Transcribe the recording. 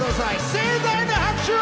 盛大な拍手を！